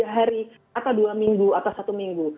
tiga hari atau dua minggu atau satu minggu